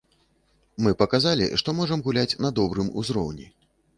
Мы паказалі, што можам гуляць на добрым узроўні.